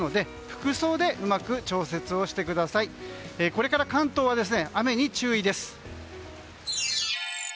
これから関東は雨に注意です。